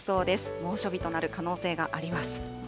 猛暑日となる可能性があります。